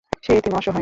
সে এতিম অসহায়।